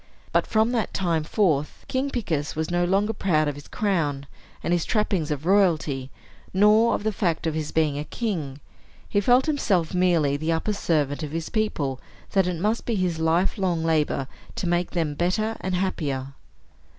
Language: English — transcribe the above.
But from that time forth, King Picus was no longer proud of his crown and his trappings of royalty, nor of the fact of his being a king; he felt himself merely the upper servant of his people, and that it must be his life long labor to make them better and happier.